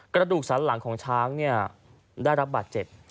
กระดูกศาลหลังของช้างเนี่ยได้รับบาดเจ็บ